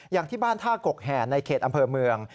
อย่างที่บ้านท่ากกแห่ในเขตอำเภอเมือง